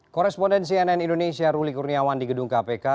koresponden cnn indonesia ruli kurniawan di gedung kpk